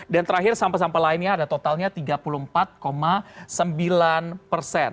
dan terakhir sampah sampah lainnya ada totalnya tiga puluh empat sembilan persen